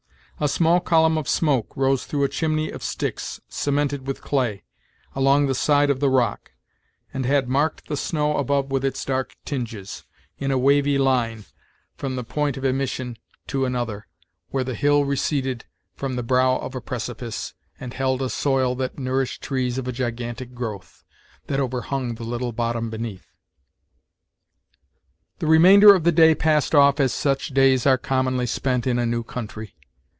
A small column of smoke rose through a chimney of sticks, cemented with clay, along the side of the rock, and had marked the snow above with its dark tinges, in a wavy line, from the point of emission to an other, where the hill receded from the brow of a precipice, and held a soil that nourished trees of a gigantic growth, that overhung the little bottom beneath. The remainder of the day passed off as such days are commonly spent in a new country.